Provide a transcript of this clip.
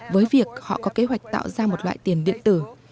với việc họ có kế hoạch tạo ra một loại tiền điện tử